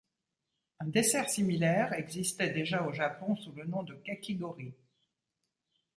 Un dessert similaire existait déjà au Japon sous le nom de kakigori.